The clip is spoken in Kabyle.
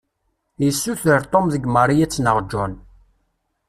Yessuter Tom deg Mary ad tneɣ john.